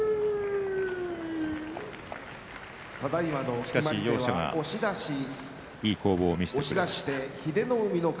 しかし、両者がいい攻防を見せました。